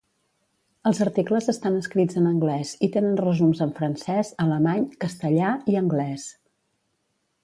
Els articles estan escrits en anglès i tenen resums en francès, alemany, castellà i anglès.